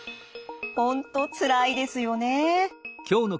本当つらいですよね。